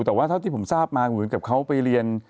แต่ว่าเท่าที่ผมทราบมาเหมือนกับเขาไปเรียน